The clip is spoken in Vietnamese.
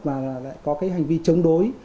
và lại có hành vi chống đối